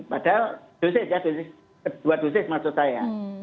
padahal dosis ya dosis kedua dosis maksud saya